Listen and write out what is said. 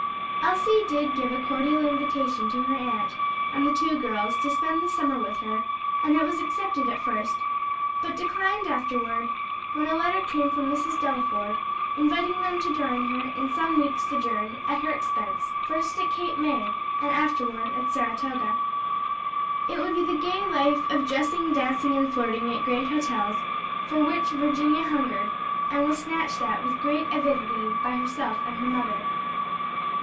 Elsie did give a cordial invitation to her aunt and the two girls to spend the summer with her and it was accepted at first, but declined afterward when a letter came from Mrs. Delaford, inviting them to join her in some weeks' sojourn, at her expense, first at Cape May and afterward at Saratoga. It would be the gay life of dressing, dancing and flirting at great hotels, for which Virginia hungered, and was snatched at with great avidity by herself and her mother.